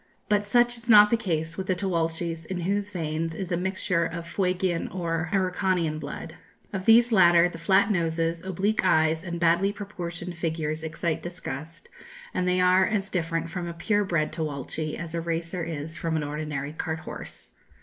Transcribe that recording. But such is not the case with the Tchuelches in whose veins is a mixture of Fuegian or Araucanian blood. Of these latter the flat noses, oblique eyes, and badly proportioned figures excite disgust, and they are as different from a pure bred Tchuelche as a racer is from an ordinary cart horse.